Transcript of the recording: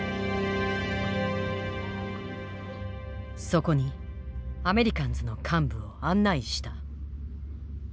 そこにアメリカンズの幹部を案内した。